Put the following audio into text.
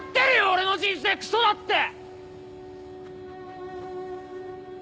俺の人生クソだって！